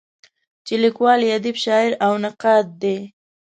چې لیکوال یې ادیب، شاعر او نقاد دی.